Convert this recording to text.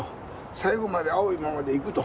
最後まで青いままでいくと。